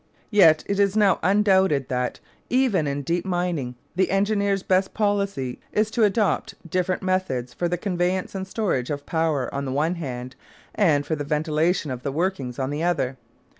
Yet it is now undoubted that, even in deep mining, the engineer's best policy is to adopt different methods for the conveyance and storage of power on the one hand, and for the ventilation of the workings on the other.